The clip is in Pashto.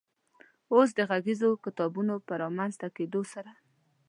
اوس د غږیزو کتابونو په رامنځ ته کېدو سره